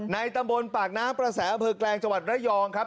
ในตำบลปากน้าประแสเผอร์แกลงจังหวัดระยองครับ